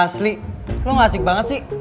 asli lo gak asik banget sih